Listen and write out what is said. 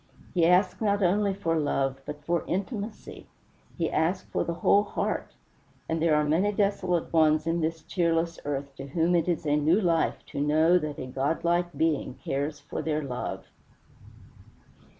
He asked not only for love, but for intimacy he asked for the whole heart; and there are many desolate ones in this cheerless earth to whom it is a new life to know that a godlike Being cares for their love.